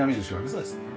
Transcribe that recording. そうですね。